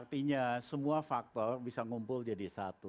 artinya semua faktor bisa ngumpul jadi satu